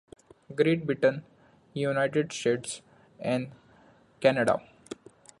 Great Britain, United States and Canada.